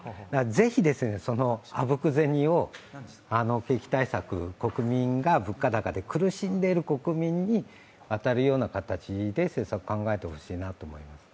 ぜひそのあぶく銭を景気対策、物価高で苦しんでいる国民に渡るような形で政策考えてほしいなと思います。